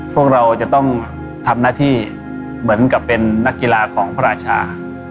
พวกเราจะต้องทำหน้าที่เหมือนกับเป็นนักกีฬาของพระราชา